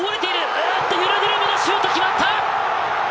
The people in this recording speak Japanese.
おっと、ユルドゥルムのシュート決まった！